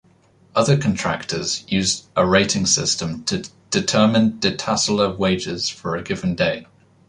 Other contractors use a rating system to determine detasseler wages for a given day.